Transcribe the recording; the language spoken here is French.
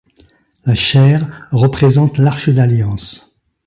La chaire représente l'arche d’alliance.